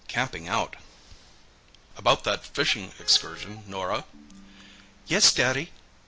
CAMPING OUT "About that fishing excursion, Norah?" "Yes, Daddy."